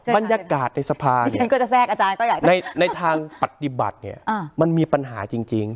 บรรยากาศในสภาเนี่ยในทางปฏิบัติเนี่ยมันมีปัญหาจริง